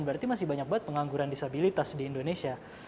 berarti masih banyak banget pengangguran disabilitas di indonesia